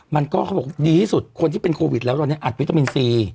เขาบอกดีที่สุดคนที่เป็นโควิดแล้วตอนนี้อัดวิตามินซี